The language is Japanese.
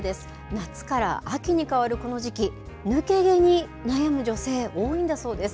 夏から秋に変わるこの時期、抜け毛に悩む女性、多いんだそうです。